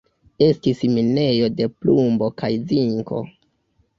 Estis minejo de plumbo kaj zinko.